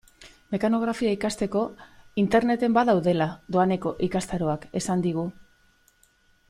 Mekanografia ikasteko Interneten badaudela doaneko ikastaroak esan digu.